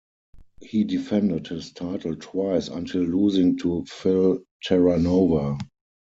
He defended his title twice until losing to Phil Terranova.